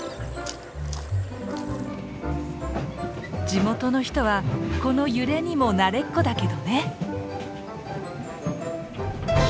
地元の人はこの揺れにも慣れっこだけどね！